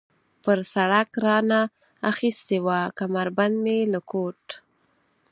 پر سړک را نه اخیستې وه، کمربند مې له کوټ.